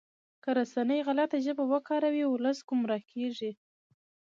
که رسنۍ غلطه ژبه وکاروي ولس ګمراه کیږي.